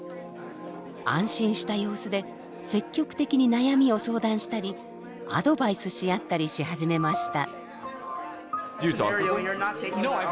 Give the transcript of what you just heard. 安心した様子で積極的に悩みを相談したりアドバイスし合ったりし始めました。